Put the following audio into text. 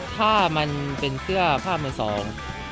ถ้ามันเป็นเสื้อผ้ามือสอง